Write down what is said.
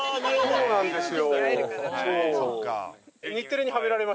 そうなんですよ。